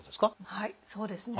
はいそうですね。